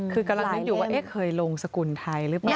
คือกำลังคิดอยู่ว่าเคยลงสกุลไทยหรือเปล่า